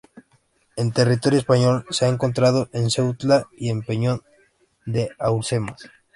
En territorio español se ha encontrado en Ceuta y el Peñón de Alhucemas.